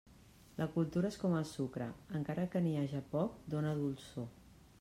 La cultura és com el sucre; encara que n'hi haja poc dóna dolçor.